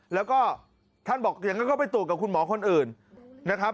แล้วก็ท่านบอกอย่างนั้นก็ไปตรวจกับคุณหมอคนอื่นนะครับ